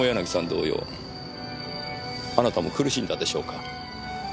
同様あなたも苦しんだでしょうか。